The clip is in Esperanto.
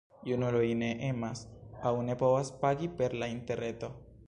Junuloj ne emas aŭ ne povas pagi per la interreto.